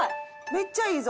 「めっちゃいいぞ！」